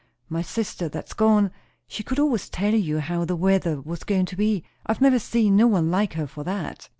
My sister that's gone, she could always tell you how the weather was goin' to be. I've never seen no one like her for that."